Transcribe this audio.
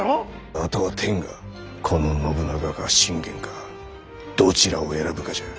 あとは天がこの信長か信玄かどちらを選ぶかじゃ。